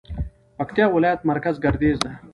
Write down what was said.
پکتيا ولايت مرکز ګردېز ده